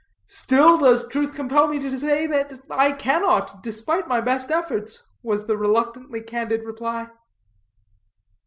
"Still does truth compel me to say that I cannot, despite my best efforts," was the reluctantly candid reply.